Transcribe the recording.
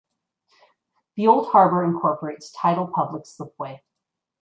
The Old Harbour incorporates tidal public slipway.